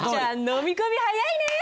飲み込み早いね！